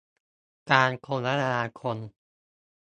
การคมนาคม